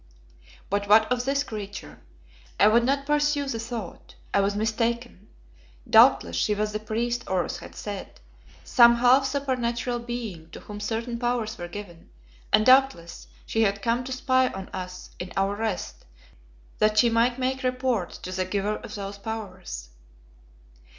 But what of this creature? I would not pursue the thought. I was mistaken. Doubtless she was what the priest Oros had said some half supernatural being to whom certain powers were given, and, doubtless, she had come to spy on us in our rest that she might make report to the giver of those powers.